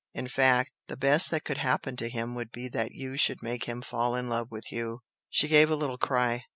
In fact, the best that could happen to him would be that you should make him fall in love with YOU!" She gave a little cry.